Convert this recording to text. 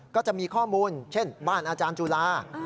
ก็จะมีข้อมูลเช่นบ้านอาจารย์จุฬา